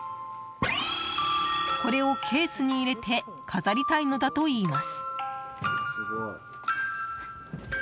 これをケースに入れて飾りたいのだといいます。